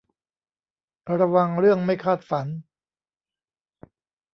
ระวังเรื่องไม่คาดฝัน